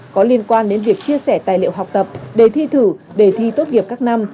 có liên quan đến việc chia sẻ tài liệu học tập đề thi thử đề thi tốt nghiệp các năm